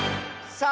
「さあ！」